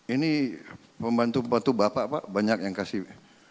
ini pembantu pembantu bapak pak banyak yang kasih